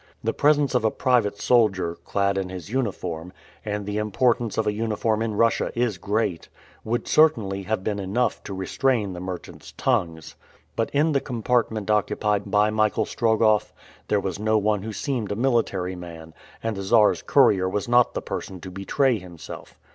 The presence of a private soldier, clad in his uniform and the importance of a uniform in Russia is great would have certainly been enough to restrain the merchants' tongues. But in the compartment occupied by Michael Strogoff, there was no one who seemed a military man, and the Czar's courier was not the person to betray himself.